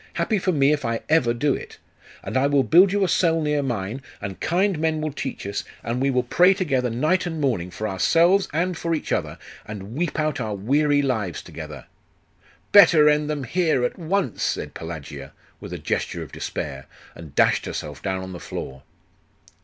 Happy for me if I ever do it! And I will build you a cell near mine, and kind men will teach us, and the will pray together night and morning, for ourselves and for each other, and weep out our weary lives together ' 'Better end them here, at once!' said Pelagia, with a gesture of despair, and dashed herself down on the floor.